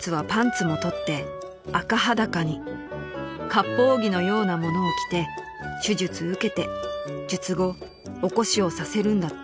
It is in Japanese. ［「割烹着のようなものを着て手術受けて術後お腰をさせるんだって」］